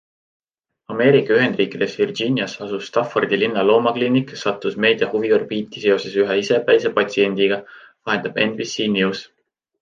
Ameerika Ühendriikides Virginias asuv Staffordi linna loomakliinik sattus meedia huviorbiiti seoses ühe isepäise patsiendiga, vahendab NBC News.